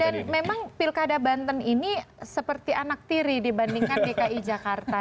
dan memang pilkada banten ini seperti anak tiri dibandingkan dki jakarta